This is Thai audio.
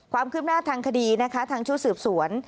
ความคืบหน้าทางคดีทางชู้สืบสวน